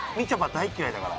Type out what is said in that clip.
大嫌いだから。